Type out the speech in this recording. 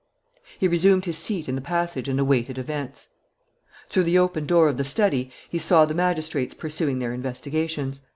He resumed his seat in the passage and awaited events. Through the open door of the study he saw the magistrates pursuing their investigations.